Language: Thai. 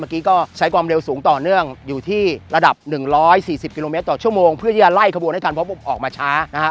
เมื่อกี้ก็ใช้ความเร็วสูงต่อเนื่องอยู่ที่ระดับ๑๔๐กิโลเมตรต่อชั่วโมงเพื่อที่จะไล่ขบวนให้ทันเพราะผมออกมาช้านะครับ